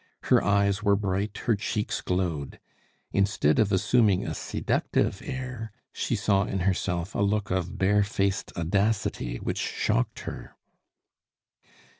Her eyes were bright, her cheeks glowed. Instead of assuming a seductive air, she saw in herself a look of barefaced audacity which shocked her.